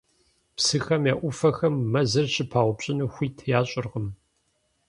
Псыхэм я Ӏуфэхэм мэзыр щыпаупщӀыну хуит ящӀыркъым.